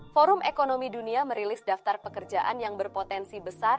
forum ekonomi dunia merilis daftar pekerjaan yang berpotensi besar